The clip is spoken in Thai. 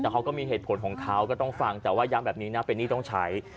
แต่เขาก็มีเหตุผลของเขาก็ต้องฟังแต่ว่าย้ำแบบนี้นะเป็นหนี้ต้องใช้